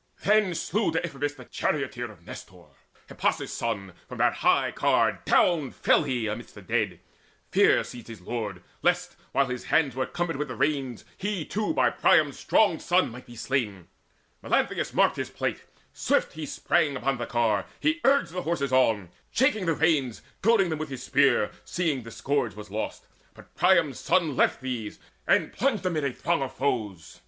Then slew Deiphobus the charioteer Of Nestor, Hippasus' son: from that high car Down fell he 'midst the dead; fear seized his lord Lest, while his hands were cumbered with the reins, He too by Priam's strong son might be slain. Melanthius marked his plight: swiftly he sprang Upon the car; he urged the horses on, Shaking the reins, goading them with his spear, Seeing the scourge was lost. But Priam's son Left these, and plunged amid a throng of foes.